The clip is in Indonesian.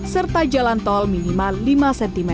serta jalan tol minimal lima cm